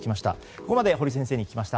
ここまで堀先生に聞きました。